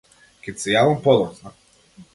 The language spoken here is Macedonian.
Ќе ти се јавам подоцна.